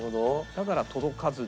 だから届かずで。